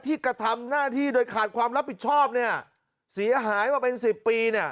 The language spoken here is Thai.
กระทำหน้าที่โดยขาดความรับผิดชอบเนี่ยเสียหายมาเป็นสิบปีเนี่ย